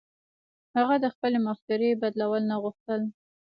هغه د خپلې مفکورې بدلول نه غوښتل.